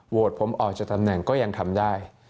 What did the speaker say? ผมออกจากตำแหน่งก็ยังทำได้